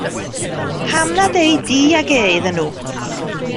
Pam nad ei di ag e iddyn nhw?